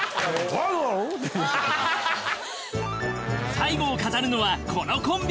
最後を飾るのはこのコンビ。